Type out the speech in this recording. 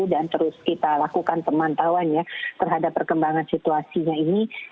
dan terus kita lakukan pemantauannya terhadap perkembangan situasinya ini